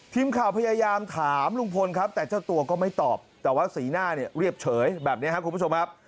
ทีมข่าวพยายามถามลุงพลครับแต่เจ้าตัวก็ไม่ตอบแต่ว่าสีหน้าเนี่ยเรียบเฉยแบบนี้ครับคุณผู้ชมครับ